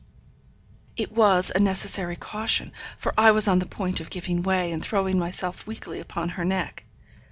It was a necessary caution, for I was on the point of giving way, and throwing myself weakly upon her neck.